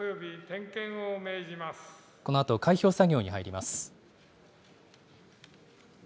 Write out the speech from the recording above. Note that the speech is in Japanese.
このあと開票作業に入ります。